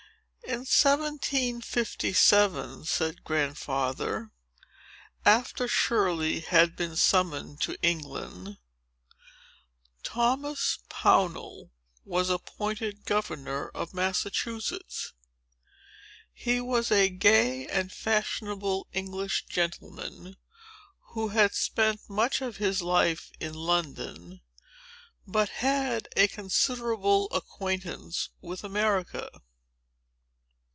"In 1757," said Grandfather, "after Shirley had been summoned to England, Thomas Pownall was appointed governor of Massachusetts. He was a gay and fashionable English gentleman, who had spent much of his life in London, but had a considerable acquaintance with America.